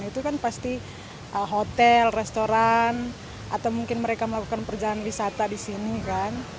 itu kan pasti hotel restoran atau mungkin mereka melakukan perjalanan wisata di sini kan